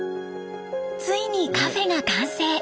ついにカフェが完成！